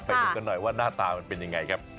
ไปดูกันหน่อยว่าหน้าตามันเป็นยังไงครับ